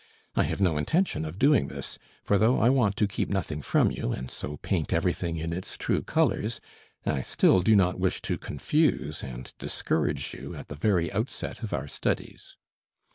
I have no intention of doing this, for though I want to keep nothing from you, and so paint everything in its true colors, I still do not wish to confuse and discourage you at the very outset of our studies.